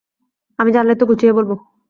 আমি জানলে তো গুছিয়ে বলব।